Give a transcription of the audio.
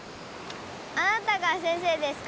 あなたが先生ですか？